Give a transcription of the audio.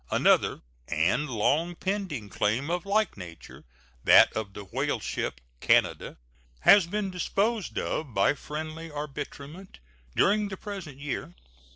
Another and long pending claim of like nature, that of the whaleship Canada, has been disposed of by friendly arbitrament during the present year.